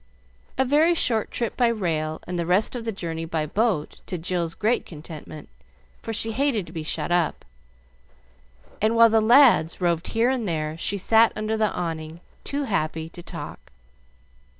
A very short trip by rail and the rest of the journey by boat, to Jill's great contentment, for she hated to be shut up; and while the lads roved here and there she sat under the awning, too happy to talk.